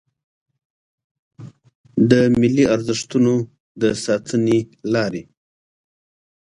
د ملي ارزښتونو د ساتنې لارې